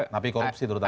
tapi korupsi terutama